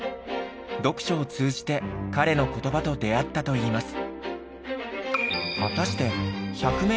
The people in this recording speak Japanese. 読書を通じて彼の言葉と出会ったといいます。